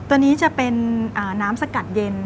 ตัวนี้จะเป็นน้ำสกัดเย็น